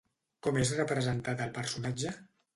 Com és representat el personatge?